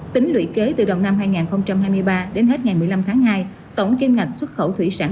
tính lụy kế từ đầu năm hai nghìn hai mươi ba đến hết ngày một mươi năm tháng hai tổng kim ngạch xuất khẩu thủy sản